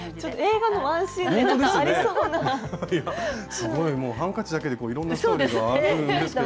すごいハンカチだけでいろんなストーリーがあるんですけど。